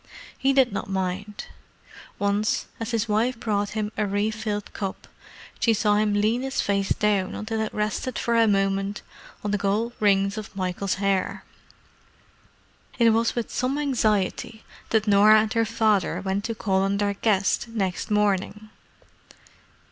He did not mind. Once, as his wife brought him a refilled cup, she saw him lean his face down until it rested for a moment on the gold rings of Michael's hair. It was with some anxiety that Norah and her father went to call on their guest next morning.